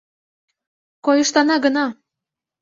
— Койышлана гына.